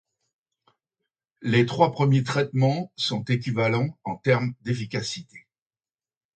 Les trois premiers traitements sont équivalents en termes d'efficacité.